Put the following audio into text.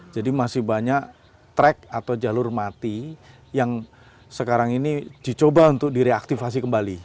jadi masih banyak trek atau jalur mati yang sekarang ini dicoba untuk direaktivasi kembali